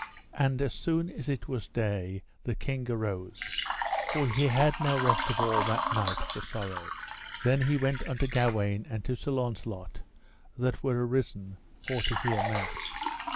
And as soon as it was day the king arose, for he had no rest of all that night for sorrow. Then he went unto Gawaine and to Sir Launcelot that were arisen for to hear mass.